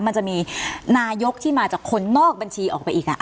มันจะมีนายกที่มาจากคนนอกบัญชีออกไปอีก